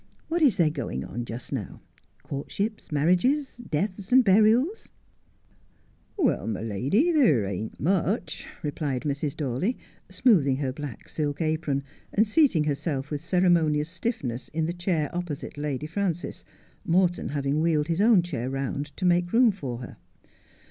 What is there going on just now — courtships, marriages, deaths, and burials 1 ' 'Well, my lady, there ain't much,' replied Mrs. Dawley, smoothing her black silk apron, and seating herself with cere monious stiffness in the chair opposite Lady Frances, Morton having wheeled his own chair round to make room for her.